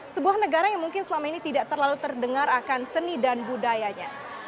sebuah negara yang mungkin selama ini tidak terlalu terdengar akan seni dan budayanya